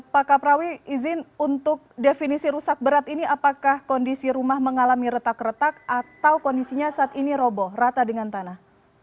pak kaprawi izin untuk definisi rusak berat ini apakah kondisi rumah mengalami retak retak atau kondisinya saat ini roboh rata dengan tanah